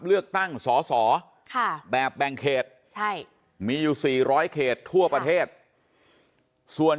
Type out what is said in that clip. เลือกตั้งสอสอแบบแบ่งเขตใช่มีอยู่๔๐๐เขตทั่วประเทศส่วน